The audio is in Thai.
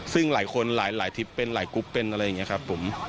ซึ่งหลายคนหลายทริปเป็นหลายกรุ๊ปเป็นอะไรอย่างนี้ครับผม